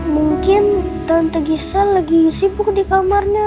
mungkin tante gisela lagi sibuk di kamarnya